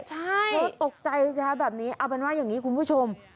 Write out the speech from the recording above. เธอตกใจสิคะแบบนี้เอาเป็นว่าอย่างนี้คุณผู้ชม